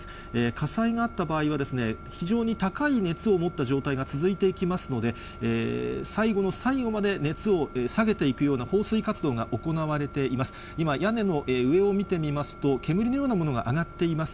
火災があった場合は、非常に高い熱を持った状態が続いていきますので、最後の最後まで熱を下げていくような放水活動が行われています。